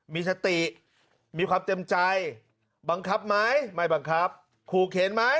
มีสติมีความเต็มใจบังคับไหมไม่บังคับขู่เข็นไหม